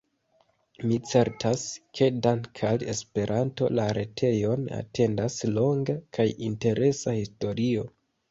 Mi certas, ke dank' al Esperanto la retejon atendas longa kaj interesa historio.